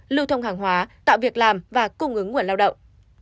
lưu thông hàng hóa tạo việc làm và cung ứng nguồn lao động